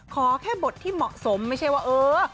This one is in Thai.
ขอแค่บทที่เหมาะสมไม่ใช่ว่าเออ